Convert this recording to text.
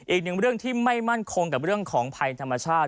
อีกหนึ่งเรื่องที่ไม่มั่นคงกับเรื่องของภัยธรรมชาติ